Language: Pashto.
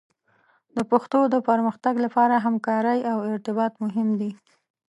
د پښتو د پرمختګ لپاره همکارۍ او ارتباط مهم دي.